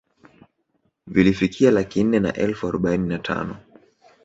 Vilifikia laki nne na elfu arobaini na tano